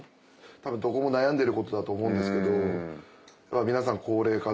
多分どこも悩んでることだと思うんですけど皆さん高齢化で。